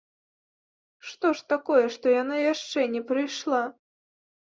Што ж такое, што яна яшчэ не прыйшла?